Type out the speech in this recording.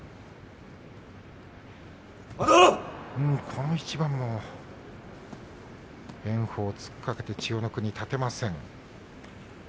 この一番も炎鵬が突っかけて千代の国が立てません。